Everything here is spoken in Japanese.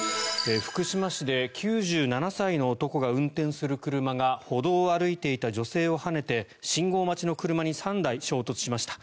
福島市で９７歳の男が運転する車が歩道を歩いていた女性をはねて信号待ちの車に３台衝突しました。